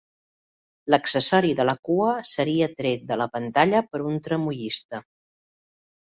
L'accessori de la cua seria tret de la pantalla per un tramoista.